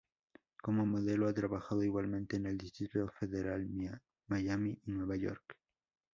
Como modelo ha trabajado igualmente en el Distrito Federal, Miami y Nueva York.